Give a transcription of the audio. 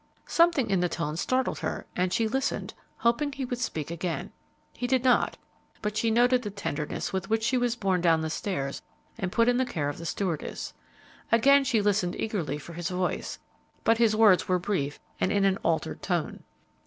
Something in the tone startled her and she listened, hoping he would speak again. He did not; but she noted the tenderness with which she was borne down the stairs and put in care of the stewardess. Again she listened eagerly for his voice, but his words were brief and in an altered tone.